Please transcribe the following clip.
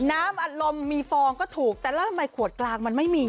น้ำอัดลมมีฟองก็ถูกแต่แล้วทำไมขวดกลางมันไม่มี